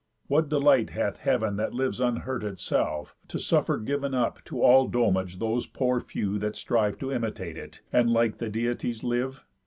What delight hath heav'n, That lives unhurt itself, to suffer giv'n Up to all domage those poor few that strive To imitate it, and like the Deities live?